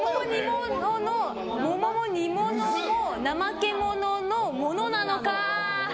桃も煮物もナマケモノのものなのか！